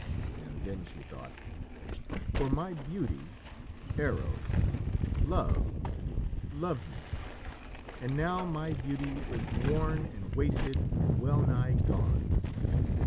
And then she thought: "For my beauty, Eros Love loved me; and now my beauty is worn and wasted and well nigh gone.